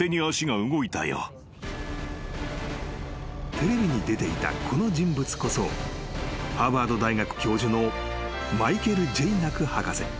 ［テレビに出ていたこの人物こそハーバード大学教授のマイケル・ジェイナク博士］